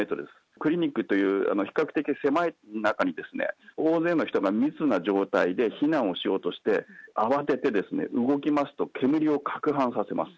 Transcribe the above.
クリニックという比較的狭い中に大勢の人が密な状態で避難をしようとして、慌てて動きますと煙をかくはんさせます。